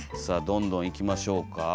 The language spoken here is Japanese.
さあどんどんいきましょうか。